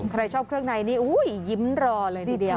ใครชอบเครื่องในนี่ยิ้มรอเลยทีเดียว